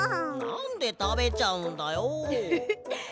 なんでたべちゃうんだよ。ハハハ。